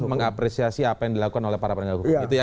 mengapresiasi apa yang dilakukan oleh para penegak hukum